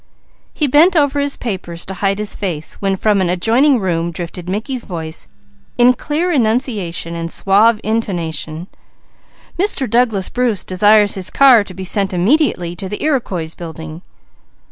He bent over his papers to hide his face when from an adjoining room drifted Mickey's voice in clear enunciation and suave intonation: "Mr. Douglas Bruce desires his car to be sent immediately to the Iroquois Building."